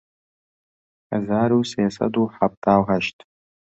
هەزار و سێ سەد و حەفتا و هەشت